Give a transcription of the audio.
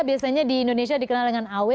biasanya di indonesia dikenal dengan aw